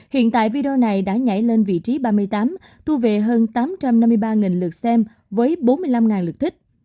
hiện tại video này đã nhảy lên vị trí ba mươi tám thu về hơn tám trăm năm mươi ba lượt xem với bốn mươi năm lượt thích